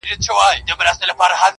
پخپل خنجر پاره پاره دي کړمه,